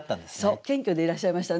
謙虚でいらっしゃいましたね